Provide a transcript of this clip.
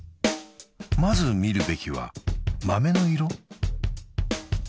まず見るべきは豆の色？